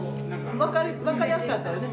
分かりやすかったよね